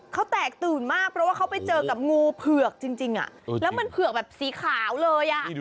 เขาแตกตื่นมากเพราะว่าเขาไปเจอกับงูเผือกจริงแล้วมันเผือกแบบสีขาวเลยอ่ะ